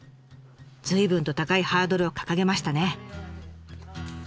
随分と高いハードルを掲げましたね。